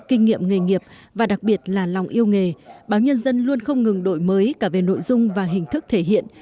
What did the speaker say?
kinh nghiệm nghề nghiệp và đặc biệt là lòng yêu nghề báo nhân dân luôn không ngừng đổi mới cả về nội dung và hình thức thể hiện